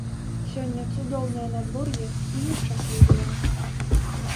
Сёння цудоўнае надвор'е, і мы шчаслівыя.